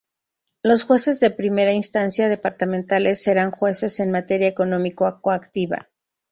Los jueces de Primera Instancia departamentales, serán jueces en materia económico-coactiva.